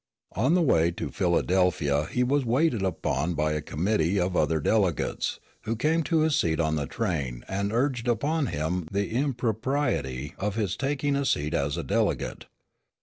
On the way to Philadelphia he was waited upon by a committee of other delegates, who came to his seat on the train and urged upon him the impropriety of his taking a seat as a delegate.